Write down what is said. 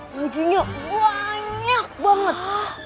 bajunya banyak banget